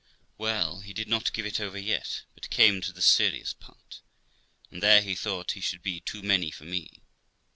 Well, he did not give it over yet, but came to the serious part, and there, he thought, he should be too many for me.